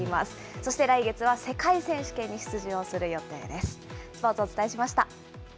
そして来月は世界選手権に出場する予定です。